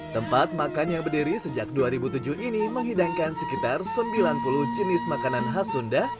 tempat makan yang berdiri sejak dua ribu tujuh ini menghidangkan sekitar sembilan puluh jenis makanan khas sunda